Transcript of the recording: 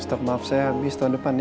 stop maaf saya habis tahun depan ya